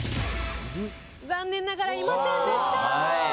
残念ながらいませんでした。